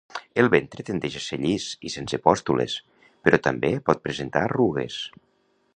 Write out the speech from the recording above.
El ventre tendeix a ser llis i sense pústules, però també pot presentar arrugues.